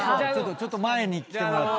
ちょっと前に来てもらって。